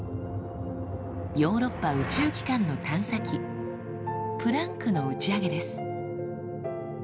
ヨーロッパ宇宙機関の探査機「プランク」の打ち上げです。